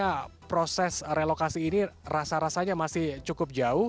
karena proses relokasi ini rasa rasanya masih cukup jauh